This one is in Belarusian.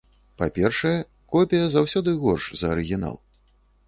Па-першае, копія заўсёды горш за арыгінал.